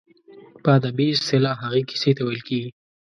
په ادبي اصطلاح هغې کیسې ته ویل کیږي.